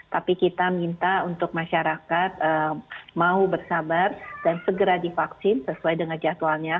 tapi kita minta untuk masyarakat mau bersabar dan segera divaksin sesuai dengan jadwalnya